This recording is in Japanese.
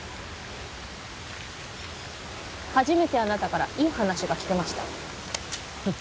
初めてあなたからいい話が聞けましたふん